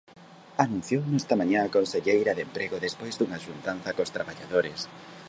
Anunciouno esta mañá a conselleira de Emprego despois dunha xuntanza cos traballadores.